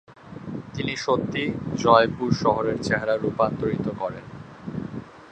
তিনি সত্যিই জয়পুর শহরের চেহারা রূপান্তরিত করেন।